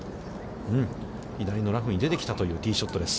左のラフに出てきたというティーショットです。